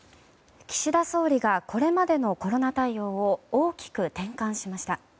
岸田総理がこれまでのコロナ対応を大きく転換しました。